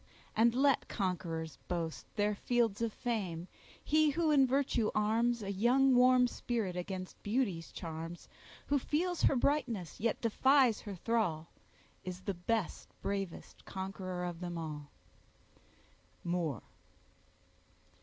And let conquerors boast Their fields of fame—he who in virtue arms A young warm spirit against beauty's charms, Who feels her brightness, yet defies her thrall, Is the best, bravest conqueror of them all. —MOORE.